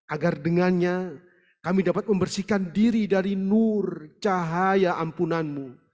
agar dengannya kami dapat membersihkan diri dari nur cahaya ampunanmu